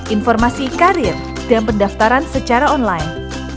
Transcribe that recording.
informasi karir dan pendaftaran secara online